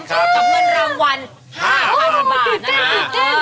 กำลังหวัญ๕๐๐๐บาท